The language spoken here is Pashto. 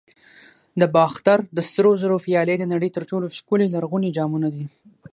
د باختر د سرو زرو پیالې د نړۍ تر ټولو ښکلي لرغوني جامونه دي